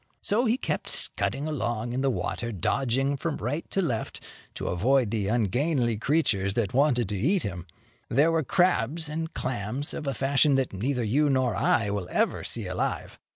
So he kept scudding along in the water, dodging from right to left, to avoid the ungainly creatures that wanted to eat him. There were crabs and clams, of a fashion that neither you nor I will ever see alive.